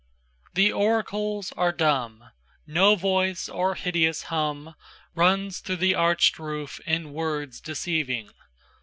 XIXThe Oracles are dumb; No voice or hideous humRuns through the archèd roof in words deceiving.